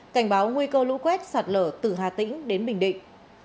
cảnh báo nguy cơ lũ quét sạt lở từ hà tĩnh đến bình định